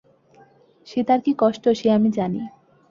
সে তার কী কষ্ট, সে আমি জানি।